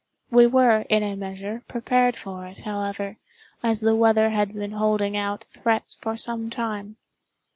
We were, in a measure, prepared for it, however, as the weather had been holding out threats for some time.